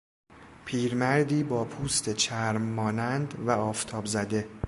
پیرمردی با پوست چرم مانند و آفتاب زده